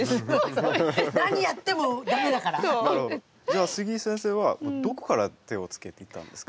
じゃあ杉井先生はどこから手をつけていったんですか？